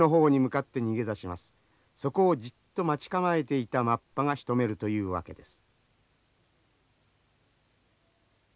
そこをじっと待ち構えていたマッパがしとめるというわけです。